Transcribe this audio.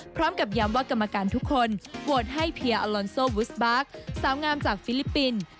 พร้อมกับย้ำว่ากรรมการทุกคนโหวตให้เพียอลอนโซวุสบาร์กสาวงามจากฟิลิปปินส์